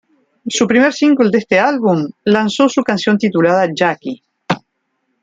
Su primer single de este álbum, lanzó su canción titulada "Jacky".